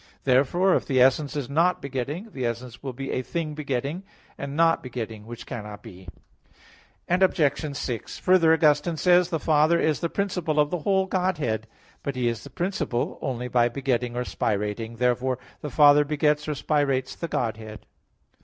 Therefore if the essence is not begetting, the essence will be "a thing begetting," and "not begetting": which cannot be. Obj. 6: Further, Augustine says (De Trin. iv, 20): "The Father is the principle of the whole Godhead." But He is principle only by begetting or spirating. Therefore the Father begets or spirates the Godhead.